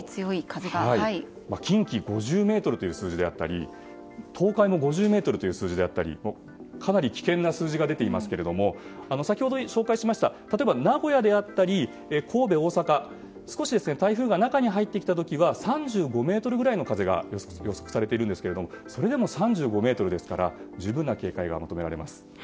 近畿５０メートルという数字であったり東海も５０メートルという数字であったりかなり危険な数字が出ていますが先ほどご紹介した例えば、名古屋であったり神戸、大阪台風が少し中に入ってきた時は３５メートルぐらいの風が予測されているんですけどもそれでも３５メートルなので十分な警戒が求められます。